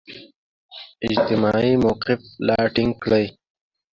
اجتماعي موقف لا ټینګ کړي.